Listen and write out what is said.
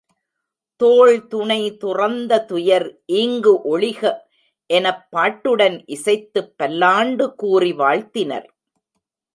தோள் துணை துறந்த துயர் ஈங்கு ஒழிக எனப் பாட்டுடன் இசைத்துப் பல்லாண்டு கூறி வாழ்த்தினர்.